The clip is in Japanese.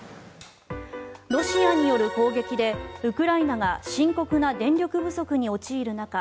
ロシアによる攻撃でウクライナが深刻な電力不足に陥る中